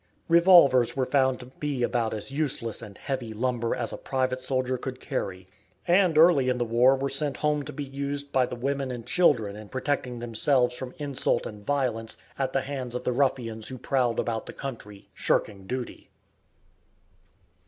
Revolvers were found to be about as useless and heavy lumber as a private soldier could carry, and early in the war were sent home to be used by the women and children in protecting themselves from insult and violence at the hands of the ruffians who prowled about the country shirking duty.